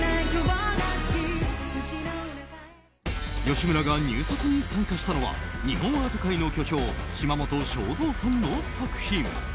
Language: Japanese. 吉村が入札に参加したのは日本アート界の巨匠嶋本昭三さんの作品。